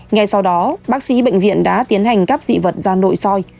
ngay sau đó bác sĩ bệnh viện đã tiến hành cắp dị vật ra nội soi